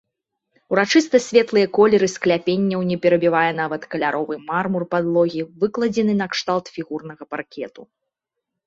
Урачыста светлыя колеры скляпенняў не перабівае нават каляровы мармур падлогі, выкладзены накшталт фігурнага паркету.